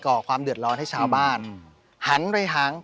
ชื่องนี้ชื่องนี้ชื่องนี้ชื่องนี้ชื่องนี้